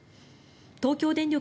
東京電力